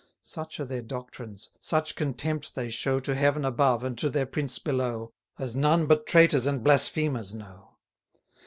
Such are their doctrines, such contempt they show To Heaven above and to their prince below, As none but traitors and blasphemers know.